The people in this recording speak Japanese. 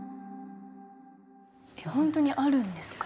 ほんとにあるんですか？